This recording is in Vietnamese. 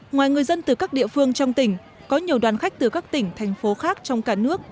ngoài người dân từ các địa phương trong tỉnh có nhiều đoàn khách từ các tỉnh thành phố khác trong cả nước